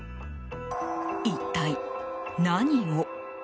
一体何を？